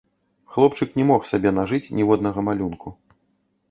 Хлопчык не мог сабе нажыць ніводнага малюнку.